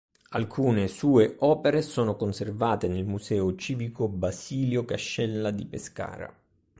Alcune sue opere sono conservate nel Museo civico Basilio Cascella di Pescara.